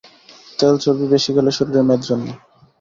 তেল-চর্বি বেশী খেলে শরীরে মেদ জন্মে।